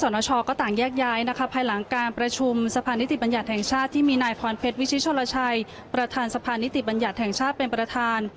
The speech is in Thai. รายงานสดจากอาคารรัฐสภาค่ะเชิญค่ะ